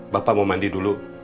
bapak mau mandi dulu